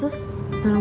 ya udah mas